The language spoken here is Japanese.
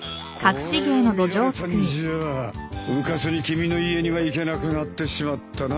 これを見られたんじゃうかつに君の家には行けなくなってしまったな。